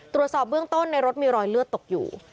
ตรวจสอบเบื้องต้นในรถมีรอยเลือดตกอยู่